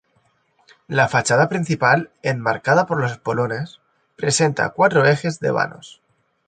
La fachada principal, enmarcada por los espolones, presenta cuatro ejes de vanos.